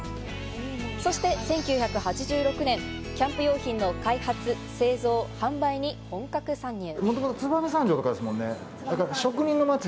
そして１９８６年、キャンプ用品の開発、製造、販売に本格参入。